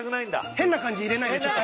変な感じ入れないでちょっと。